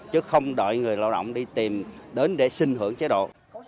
chứ không đợi người lao động đi tìm đến để xin hưởng chế độ